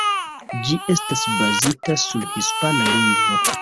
Ĝi estas bazita sur hispana lingvo.